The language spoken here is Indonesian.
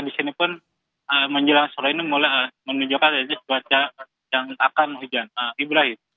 disini pun menjelang sore ini mulai menunjukkan resiko yang akan hujan ibrahim